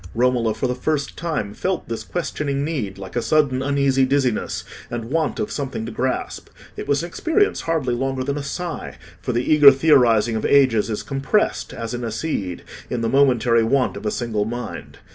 Romola for the first time felt this questioning need like a sudden uneasy dizziness and want of something to grasp; it was an experience hardly longer than a sigh, for the eager theorising of ages is compressed, as in a seed, in the momentary want of a single mind.